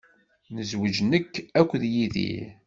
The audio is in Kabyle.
Nezweǧ nekk akked Yidir.